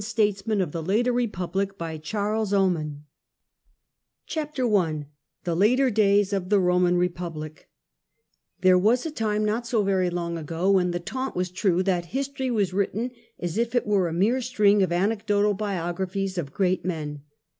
(from the Museum at Naples) „ 268 SEVEN ROMAN STATESMEN CHAPTEE I THE LATEE BAYS OE THE EOMAN EEPUBLIC Theke was a time, not so very long ago, when the taunt was true that history was written as if it were a mere string of anecdotal biographies of great men.